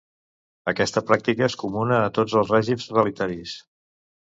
Aquesta pràctica és comuna a tots els règims totalitaris.